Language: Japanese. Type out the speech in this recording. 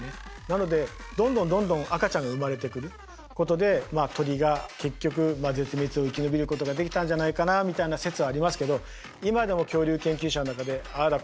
なのでどんどんどんどん赤ちゃんが生まれてくることで鳥が結局絶滅を生き延びることができたんじゃないかなみたいな説はありますけど今でも恐竜研究者の中でああだ